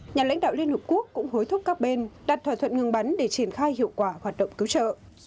nhà lãnh đạo liên hợp quốc cũng hối thúc các bên đặt thỏa thuận ngừng bắn để triển khai hiệu quả hoạt động cứu trợ